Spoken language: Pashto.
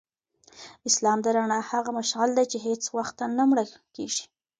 اسلام د رڼا هغه مشعل دی چي هیڅ وختنه مړ کیږي.